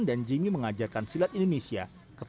dan juga olimpiade